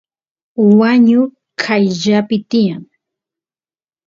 wañu qayllapi tiyan